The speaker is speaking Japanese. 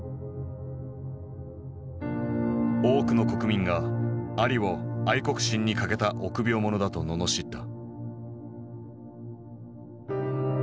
多くの国民がアリを愛国心に欠けた臆病者だと罵った。